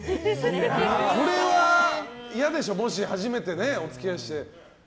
それは嫌でしょ、もし初めてお付き合いした男性に。